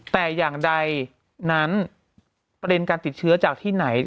แต่อย่างใดนั้นประเด็นการติดเชื้อจากที่ไหน